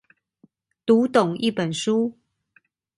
讀懂一本書